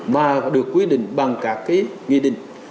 mà được quy định bằng các cái nghị định